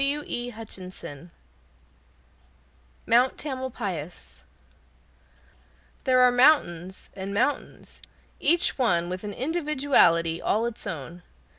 Mount Tamalpais There are mountains and mountains, each one with an individuality all its own.